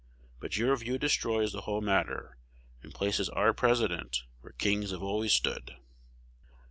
But your view destroys the whole matter, and places our President where kings have always stood.